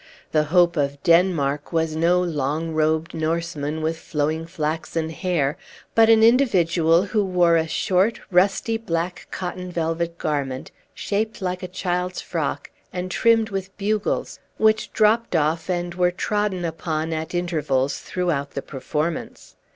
The hope of Denmark was no long robed Norseman with flowing flaxen hair, but an individual who wore a short, rusty black cotton velvet garment, shaped like a child's frock and trimmed with bugles, which dropped off and were trodden upon at intervals throughout the performance.